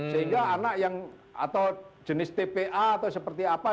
sehingga anak yang atau jenis tpa atau seperti apa